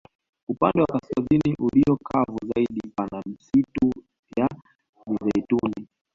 Upande wa kaskazini ulio kavu zaidi pana misitu ya mizeituni